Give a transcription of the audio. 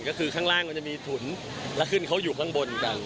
ก็คือข้างล่างมันจะมีถุนแล้วขึ้นเขาอยู่ข้างบนเหมือนกัน